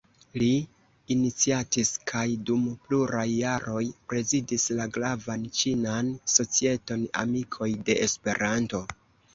Li iniciatis kaj dum pluraj jaroj prezidis la gravan ĉinan societon "Amikoj de Esperanto".